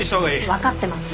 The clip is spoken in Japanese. わかってます。